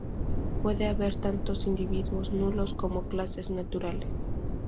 Puede haber tantos individuos nulos como clases naturales.